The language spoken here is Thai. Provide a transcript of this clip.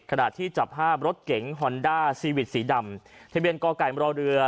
ขณะที่จับภาพรถเก๋งฮอนด้าซีวิสสีดำทะเบียนกไก่มรเรือ